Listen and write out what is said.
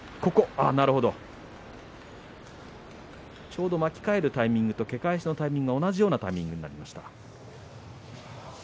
ちょうど巻き替えるタイミングとけ返しのタイミングが同じようなタイミングになりました。